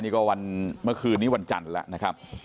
นี่ก็เมื่อคืนนี้วันจันทร์แล้ว